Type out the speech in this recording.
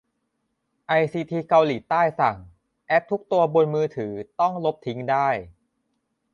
ไอซีทีเกาหลีใต้สั่ง แอปทุกตัวบนมือถือต้องลบทิ้งได้